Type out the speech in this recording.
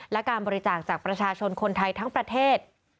และการบริจาคจากประชาชนคนไทยทั้งประเทศ